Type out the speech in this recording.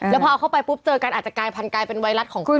แล้วพอเอาเข้าไปปุ๊บเจอกันอาจจะกลายพันธกลายเป็นไวรัสของคุณ